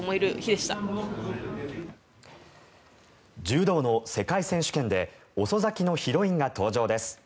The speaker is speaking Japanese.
柔道の世界選手権で遅咲きのヒロインが登場です。